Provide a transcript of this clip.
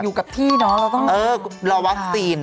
ชอลลี่ไปไหนไสง